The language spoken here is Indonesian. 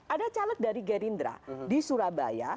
ada caleg dari gerindra di surabaya